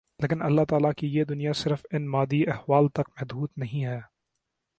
لیکن اللہ تعالیٰ کی یہ دنیا صرف ان مادی احوال تک محدود نہیں ہے